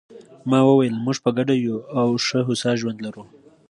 ما وویل: موږ په ګډه یو ښه او هوسا ژوند لرو.